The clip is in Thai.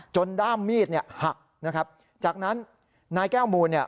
ด้ามมีดเนี่ยหักนะครับจากนั้นนายแก้วมูลเนี่ย